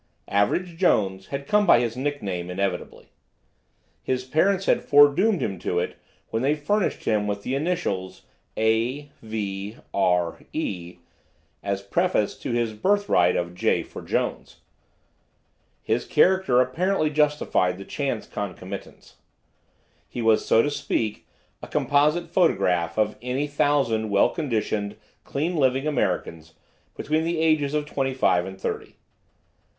Average Jones had come by his nickname inevitably. His parents had foredoomed him to it when they furnished him with the initials A. V. R. E. as preface to his birthright of J for Jones. His character apparently justified the chance concomitance. He was, so to speak, a composite photograph of any thousand well conditioned, clean living Americans between the ages of twenty five and thirty.